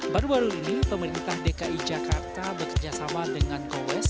baru baru ini pemerintah dki jakarta bekerjasama dengan gowes